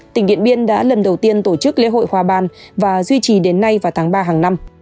tỉnh điện biên đã lần đầu tiên tổ chức lễ hội hoa ban và duy trì đến nay vào tháng ba hàng năm